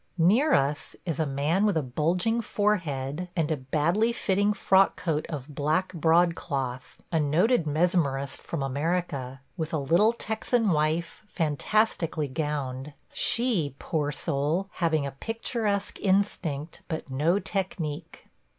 Near us is a man with a bulging orehead and a badly fitting frock coat of black broadcloth – a noted mesmerist from America, with a little Texan wife fantastically gowned; she, poor soul, having a picturesque instinct, but no technique.